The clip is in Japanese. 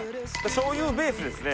しょうゆベースですね。